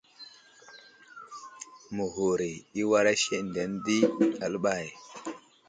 Məghur i war isendene di aləɓay.